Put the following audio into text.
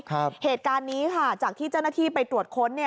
เหตุการณ์นี้จากที่เจ้าหน้าที่ไปตรวจค้น